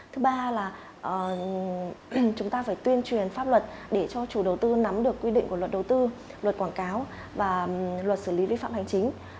thứ ba là chúng ta phải tuyên truyền pháp luật để cho chủ đầu tư nắm được quy định của luật đầu tư luật quảng cáo và luật xử lý vi phạm hành chính